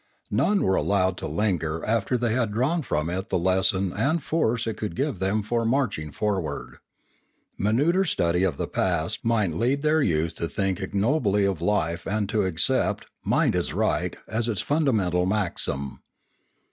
None were allowed to linger after they had drawn from it the lesson and the force it could give them for marching forward. Minuter study of the past might lead their youth to think ignobly of life and to accept " Might is Religion 677 right" as its fundamental maxim.